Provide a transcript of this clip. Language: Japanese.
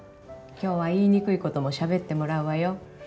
今日は言いにくいこともしゃべってもらうわよ。